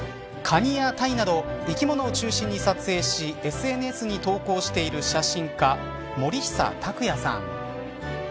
カニやタイなど生き物を中心に撮影しＳＮＳに投稿している写真家森久拓也さん。